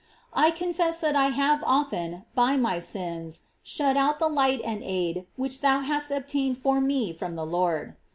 I confess that I have often, by my sins, shut out the light and aid which thou hast obtained for me from the Lord.